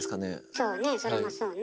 そうねそれもそうね。